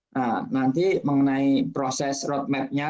nah nanti mengenai proses roadmapnya